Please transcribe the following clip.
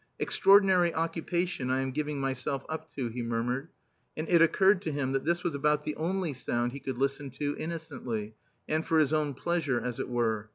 "Extraordinary occupation I am giving myself up to," he murmured. And it occurred to him that this was about the only sound he could listen to innocently, and for his own pleasure, as it were.